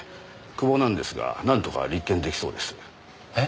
久保なんですがなんとか立件出来そうです。え？